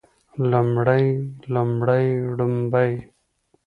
لومړی لومړۍ ړومبی